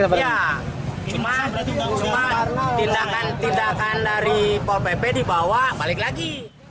ya cuma tindakan tindakan dari pol pp dibawa balik lagi